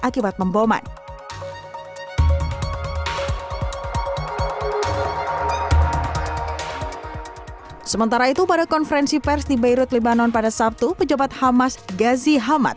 sementara itu pada konferensi pers di beirut libanon pada sabtu pejabat hamas ghazi hamad